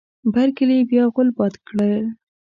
بر کلي بیا غول باد کړی.